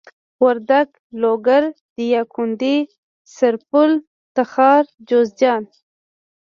وردک لوګر دايکندي سرپل تخار جوزجان